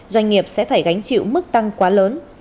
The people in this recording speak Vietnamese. doanh nghiệp sẽ phải gánh chịu mức tăng quá lớn